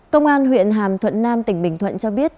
công an huyện hàm thuận nam tỉnh bình thuận cho biết